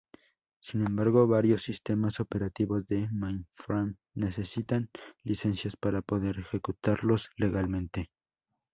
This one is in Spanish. Sin embargo, varios sistemas operativos de mainframe necesitan licencias para poder ejecutarlos legalmente.